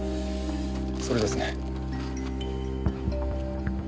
それですね。